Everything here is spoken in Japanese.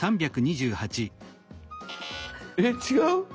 えっ違う！